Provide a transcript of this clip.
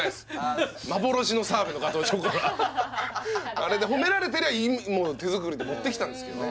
あれで褒められてりゃ手作りで持ってきたんですけどね